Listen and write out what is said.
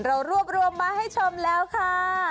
เรารวบรวมมาให้ชมแล้วค่ะ